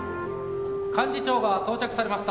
・幹事長が到着されました。